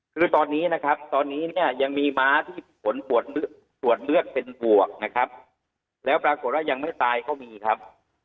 คือตอนนี้นะครับตอนนี้เนี่ยยังมีม้าที่ผลตรวจเลือดเป็นบวกนะครับแล้วปรากฏว่ายังไม่ตายก็มีครับ